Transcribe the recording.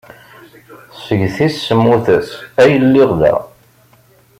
Seg tis semmuset ay lliɣ da.